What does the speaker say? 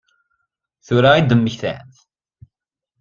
Tura i d-temmektamt?